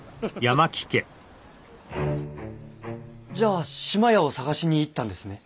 じゃあ志摩屋を探しに行ったんですね。